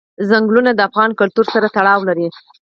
ځنګلونه د افغان کلتور سره تړاو لري.